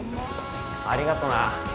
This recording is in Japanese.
ありがとな。